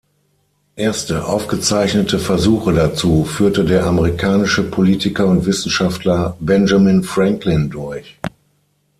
Erste aufgezeichnete Versuche dazu führte der amerikanische Politiker und Wissenschaftler Benjamin Franklin durch.